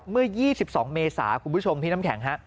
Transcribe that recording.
เมื่อ๒๒เมษาคุณผู้ชมพี่น้ำแข็งฮะ